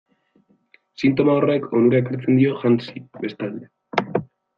Sintoma horrek onura ekartzen zion Hansi, bestalde.